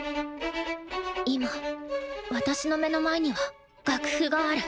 今私の目の前には楽譜がある。